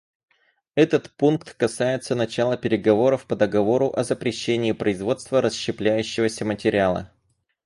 Этот пункт касается начала переговоров по договору о запрещении производства расщепляющегося материала.